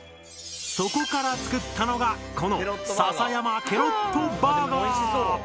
そこから作ったのがこの「篠山ケロッとバーガー」！